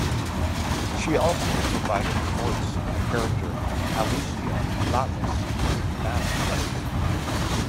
She also provided the voice for the character Alestia Lallis in "Mass Effect".